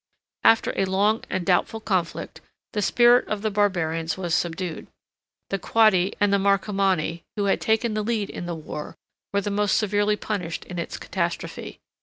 After a long and doubtful conflict, the spirit of the barbarians was subdued. The Quadi and the Marcomanni, 83 who had taken the lead in the war, were the most severely punished in its catastrophe.